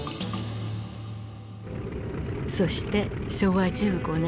そして昭和１５年７月。